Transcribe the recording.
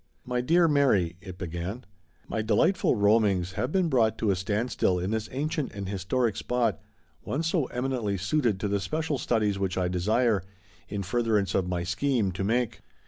" My Dear Maby [it began] : My delight ful roamings have been brought to a standstill in this ancient and historic spot, one so em inently suited to the special studies which I desire, in furtherance of my scheme, to make.